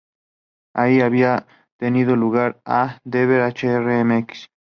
Allí había tenido lugar el DevHr.Mx.